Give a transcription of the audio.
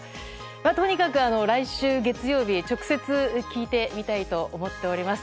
とにかく来週月曜日直接聞いてみたいと思っております。